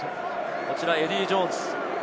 こちらエディー・ジョーンズ。